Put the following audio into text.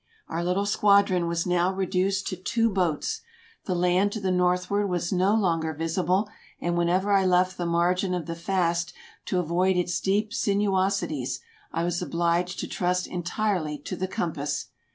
Our little squadron was now reduced to two boats. The land to the northward was no longer visible, and whenever I left the margin of the fast to avoid its deep sinuosities, I was obliged to trust entirely to the compass.